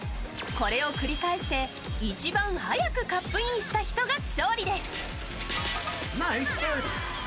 これを繰り返して一番早くカップインした人が勝利です。